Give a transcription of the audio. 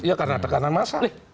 ya karena tekanan masyarakat